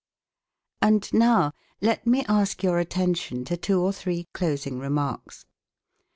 And now let me ask your attention to two or three closing remarks.